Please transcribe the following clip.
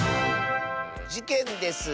「じけんです！